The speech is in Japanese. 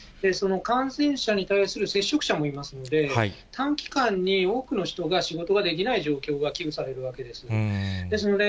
その感染者に対する接触者もいますので、短期間に多くの人が仕事ができない状況が危惧されるわけです。